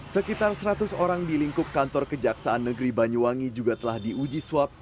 sekitar seratus orang di lingkup kantor kejaksaan negeri banyuwangi juga telah diuji swab